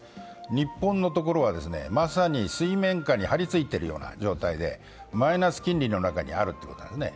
日本はまさに水面下に張りついているような状態でマイナス金利の中にあるということなんですね。